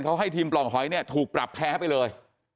เขาให้ทีมปล่องหอยเนี่ยถูกปรับแพ้ไปเลย